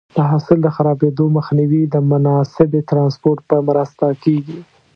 د حاصل د خرابېدو مخنیوی د مناسبې ټرانسپورټ په مرسته کېږي.